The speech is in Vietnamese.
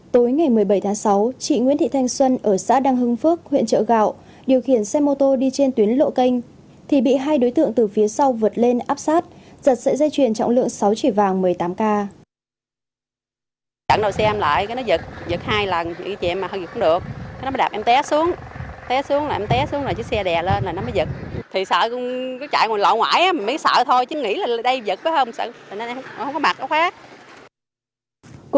tối ngày một mươi bảy tháng sáu chị nguyễn thị thanh xuân ở xã đăng hưng phước huyện trợ gạo điều khiển xe mô tô đi trên tuyến lộ canh thì bị hai đối tượng từ phía sau vượt lên áp sát giật sợi dây chuyền trọng lượng sáu chỉ vàng một mươi tám k